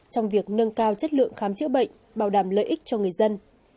trong việc nâng cao chất lượng khám chữa bệnh bảo đảm lợi ích cho người dân